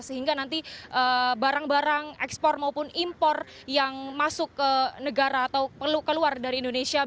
sehingga nanti barang barang ekspor maupun impor yang masuk ke negara atau perlu keluar dari indonesia